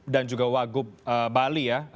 dan juga wagup bali ya